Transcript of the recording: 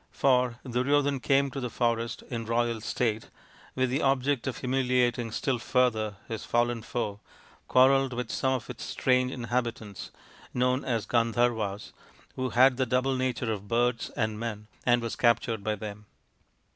For Duryodhan came to the forest in royal state with the object of humiliating still further his fallen foe, quarrelled with some of its strange inhabitants, known as gandharvas, who had the double nature of birds and men, and was captured by them.